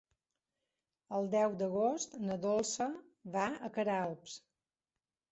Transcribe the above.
El deu d'agost na Dolça va a Queralbs.